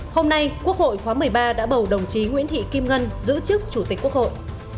hôm nay quốc hội khóa một mươi ba đã bầu đồng chí nguyễn thị kim ngân giữ chức chủ tịch quốc hội